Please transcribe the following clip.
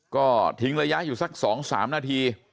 ก็ทิ้งระยะอยู่สักสองสามนาที